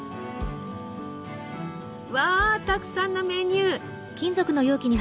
うわたくさんのメニュー！